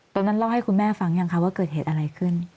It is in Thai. ตอนนั้นเล่าให้คุณแม่ฟังยังคะว่าเกิดเหตุอะไรขึ้น